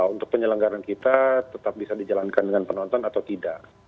untuk penyelenggaran kita tetap bisa dijalankan dengan penonton atau tidak